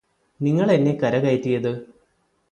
നിങ്ങളെന്നെ കരകയറ്റിയത്